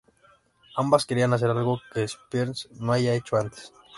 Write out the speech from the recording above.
Ambas querían hacer algo que Spears no haya hecho antes.